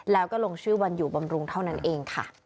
แล้วก็ลงชื่อวันอยู่บำรุงเท่านั้นเองค่ะ